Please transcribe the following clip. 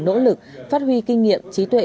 nỗ lực phát huy kinh nghiệm trí tuệ